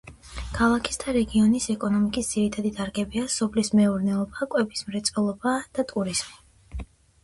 ქალაქის და რეგიონის ეკონომიკის ძირითადი დარგებია სოფლის მეურნეობა, კვების მრეწველობა და ტურიზმი.